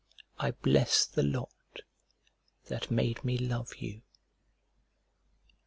I bless the lot that made me love you.